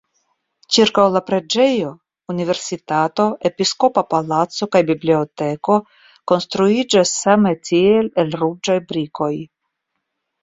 Ĉirkaŭ la preĝejo universitato, episkopa palaco kaj biblioteko konstruiĝis same tiel el ruĝaj brikoj.